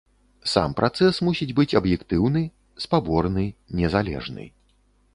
Сам працэс мусіць быць аб'ектыўны, спаборны, незалежны.